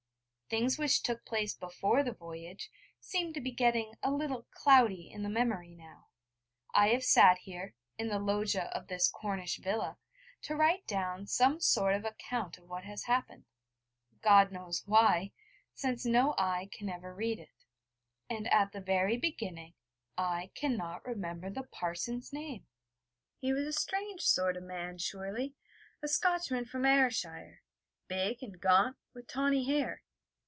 Things which took place before the voyage seem to be getting a little cloudy in the memory now. I have sat here, in the loggia of this Cornish villa, to write down some sort of account of what has happened God knows why, since no eye can ever read it and at the very beginning I cannot remember the parson's name. He was a strange sort of man surely, a Scotchman from Ayrshire, big and gaunt, with tawny hair.